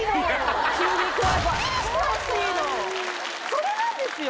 それなんですよ。